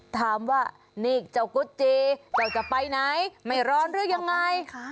ถามว่านี่เจ้ากุจจีเจ้าจะไปไหนไม่ร้อนหรือยังไง